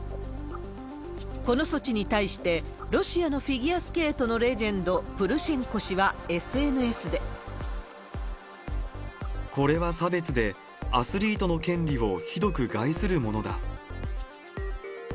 この措置に対して、ロシアのフィギュアスケートのレジェンド、これは差別で、アスリートの権利をひどく害するものだ。